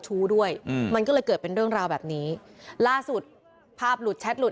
ชู้ด้วยอืมมันก็เลยเกิดเป็นเรื่องราวแบบนี้ล่าสุดภาพหลุดแชทหลุด